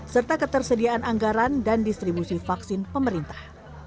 serta ketersediaan anggaran dan distribusi vaksin pemerintah